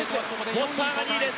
フォスターが２位です。